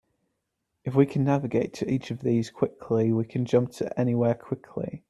If we can navigate to each of these quickly, we can jump to anywhere quickly.